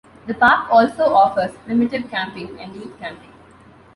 The park also offers primitive camping and youth camping.